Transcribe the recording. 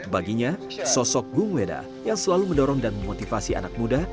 baginya sosok gung weda yang selalu mendorong dan memotivasi anak muda